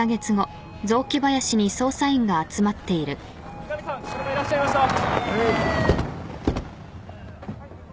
・三上さんいらっしゃいました。